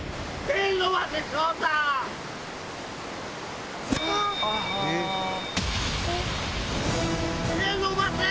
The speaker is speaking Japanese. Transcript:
手伸ばせ！